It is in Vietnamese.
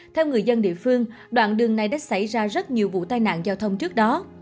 theo người dân địa phương đoạn đường này đã xảy ra rất nhiều vụ tai nạn giao thông trước đó